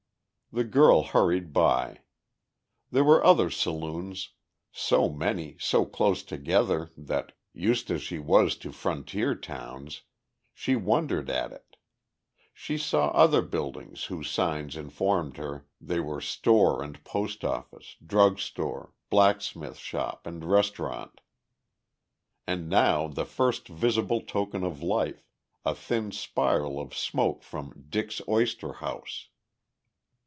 The girl hurried by. There were other saloons, so many, so close together that, used as she was to frontier towns, she wondered at it; she saw other buildings whose signs informed her they were store and post office, drug store, blacksmith shop and restaurant. And now the first visible token of life, a thin spiral of smoke from "Dick's Oyster House."